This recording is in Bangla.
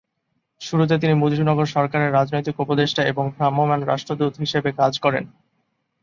শুরুতে তিনি মুজিবনগর সরকারের রাজনৈতিক উপদেষ্টা এবং ভ্রাম্যমান রাষ্ট্রদূত হিসেবে কাজ করেন।